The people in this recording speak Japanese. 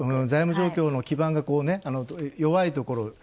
財務状況の基盤が弱いところ。